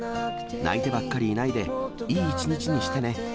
泣いてばっかりいないで、いい１日にしてね。